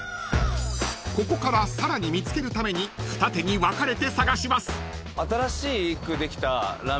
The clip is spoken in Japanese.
［ここからさらに見つけるために二手に分かれて探します］